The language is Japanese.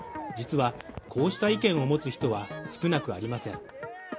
実はこうした意見を持つ人は少なくありません。